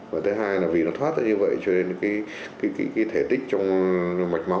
và thứ hai là vì nó thoát ra như vậy cho nên cái thể tích trong mạch máu